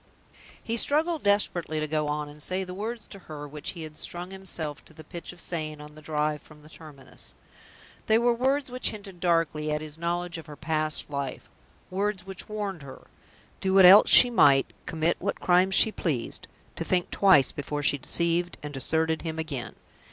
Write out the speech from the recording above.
He struggled desperately to go on and say the words to her which he had strung himself to the pitch of saying on the drive from the terminus. They were words which hinted darkly at his knowledge of her past life; words which warned her do what else she might, commit what crimes she pleased to think twice before she deceived and deserted him again.